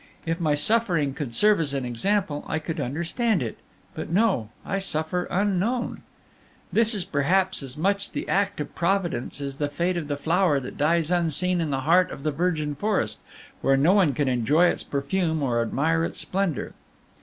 If my suffering could serve as an example, I could understand it; but no, I suffer unknown. "This is perhaps as much the act of Providence as the fate of the flower that dies unseen in the heart of the virgin forest, where no one can enjoy its perfume or admire its splendor.